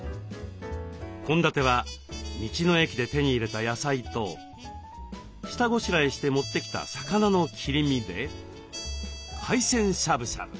献立は道の駅で手に入れた野菜と下ごしらえして持ってきた魚の切り身で海鮮しゃぶしゃぶ。